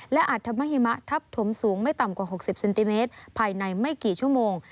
และอาจธรรมหิมะทับถมสูงไม่ต่ำกว่า๖๐เซนติเมตรภายในไม่กี่ชั่วโมง